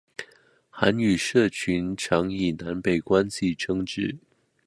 韩语社群常以南北关系称之。